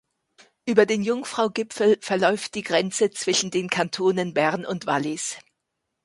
Über den Jungfrau-Gipfel verläuft die Grenze zwischen den Kantonen Bern und Wallis.